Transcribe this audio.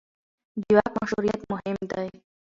د واک مشروعیت مهم دی